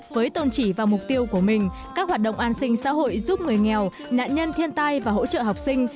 với tôn chỉ và mục tiêu của mình các hoạt động an sinh xã hội giúp người nghèo nạn nhân thiên tai và hỗ trợ học sinh